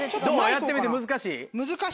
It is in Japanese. やってみて難しい？